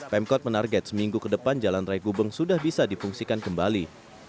pemkot menarget seminggu ke depan jalan raya gubeng sudah bisa difungsikan kembali